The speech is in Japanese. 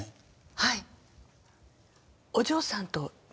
はい。